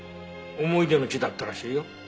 思い出の地だったらしいよ。